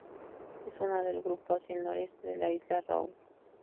Es una del grupo hacia el noreste de la isla Raoul.